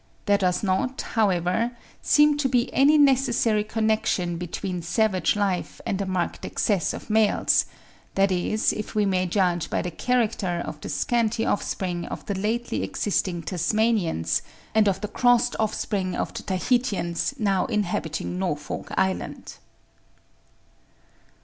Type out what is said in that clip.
There does not, however, seem to be any necessary connection between savage life and a marked excess of males; that is if we may judge by the character of the scanty offspring of the lately existing Tasmanians and of the crossed offspring of the Tahitians now inhabiting Norfolk Island.